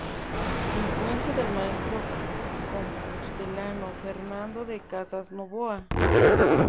Influencia del maestro compostelano Fernando de Casas Novoa.